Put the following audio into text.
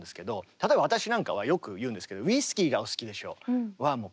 例えば私なんかはよく言うんですけど「ウイスキーが、お好きでしょ」はおぉ。